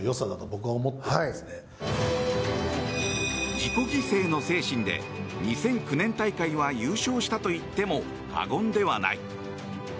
自己犠牲の精神で２００９年大会は優勝したといっても過言ではない。